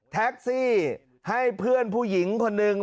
แท็กซี่ให้เพื่อนผู้หญิงคนหนึ่ง